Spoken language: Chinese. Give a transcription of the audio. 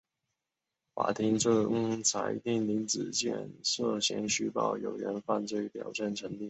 法庭终裁定林子健涉嫌虚报有人犯罪表证成立。